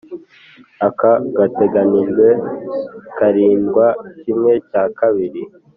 akaga gateganijwe karirindwa kimwe cya kabiri.